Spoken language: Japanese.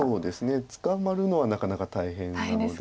捕まるのはなかなか大変なので。